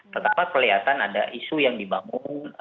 tetapi kelihatan ada isu yang dibangun